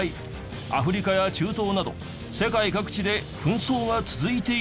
アフリカや中東など世界各地で紛争が続いている所も。